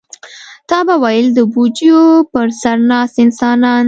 تا به ویل د بوجیو پر سر ناست انسانان.